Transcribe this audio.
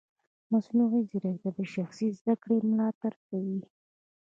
مصنوعي ځیرکتیا د شخصي زده کړې ملاتړ کوي.